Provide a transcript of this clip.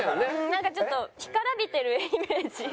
なんかちょっと干からびてるイメージ。